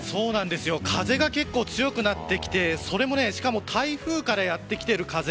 風が結構強くなってきてそれも、しかも台風からやってきている風。